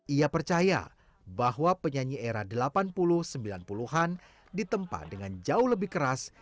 ia percaya bahwa penyanyi era delapan puluh sembilan puluh an ditempa dengan jauh lebih keras